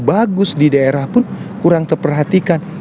bagus di daerah pun kurang terperhatikan